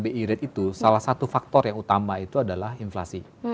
bi rate itu salah satu faktor yang utama itu adalah inflasi